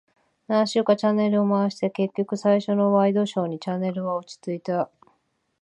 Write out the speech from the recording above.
何周かチャンネルを回して、結局最初のワイドショーにチャンネルは落ち着いた。